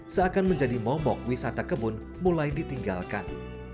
seakan menjadi momok wisata kebun mulai ditinggalkan